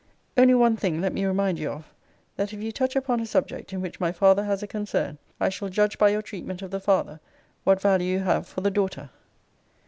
Only one thing let me remind you of, that if you touch upon a subject, in which my father has a concern, I shall judge by your treatment of the father what value you have for the daughter.